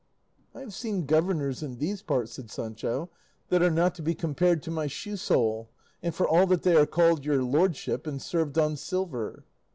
"I have seen governors in these parts," said Sancho, "that are not to be compared to my shoe sole; and for all that they are called 'your lordship' and served on silver."